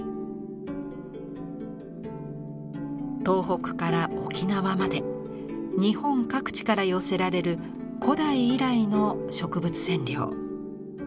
東北から沖縄まで日本各地から寄せられる古代以来の植物染料。